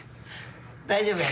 大丈夫や。